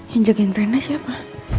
yang jagain trennya siapa